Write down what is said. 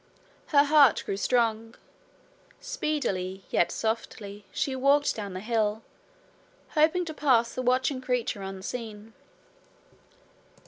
Her heart grew strong. Speedily, yet softly, she walked down the hill, hoping to pass the watching creature unseen.